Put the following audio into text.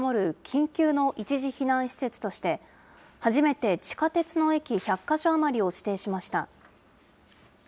緊急の一時避難施設として、初めて地下鉄の駅１００か所余りを指定しました。